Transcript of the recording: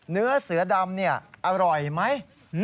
เนื้อเสือดำอร่อยไหม